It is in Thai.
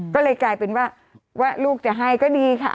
ก็เลยกลายเป็นว่าลูกจะให้ก็ดีค่ะ